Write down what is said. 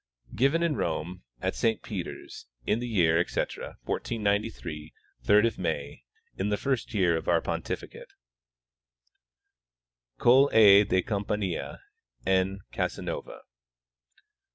Given in Rome, at Saint Peter's, in the year, etc, 1493, third of May, in the first year of our pontificate. Coll. A. DE Campania. N, Casanova.